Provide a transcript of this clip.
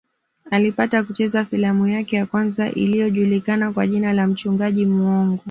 Alipata kucheza filamu yake ya kwanza iliyojulikana kwa jina la mchungaji muongo